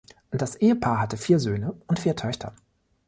Das Ehepaar hatte vier Söhne und vier Töchter.